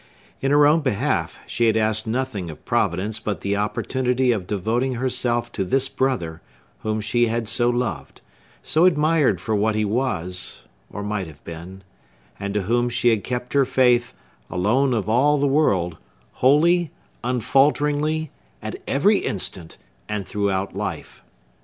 In her own behalf, she had asked nothing of Providence but the opportunity of devoting herself to this brother, whom she had so loved,—so admired for what he was, or might have been,—and to whom she had kept her faith, alone of all the world, wholly, unfalteringly, at every instant, and throughout life.